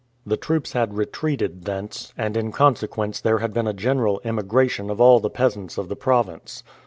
The troops had retreated thence, and in consequence there had been a general emigration of all the peasants of the province.